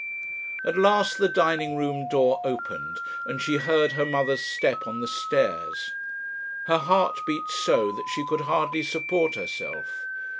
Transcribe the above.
At last the dining room door opened, and she heard her mother's step on the stairs. Her heart beat so that she could hardly support herself.